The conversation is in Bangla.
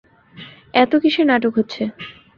এতো কীসের নাটক হচ্ছে?